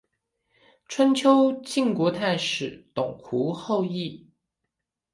春秋晋国太史董狐后裔。